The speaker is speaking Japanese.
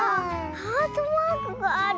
ハートマークがある。